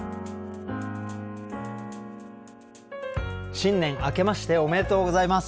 新年あけましておめでとうございます。